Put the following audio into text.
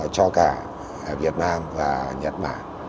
cho cả việt nam và nhật bản